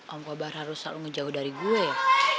om koba harus selalu ngejauh dari gue ya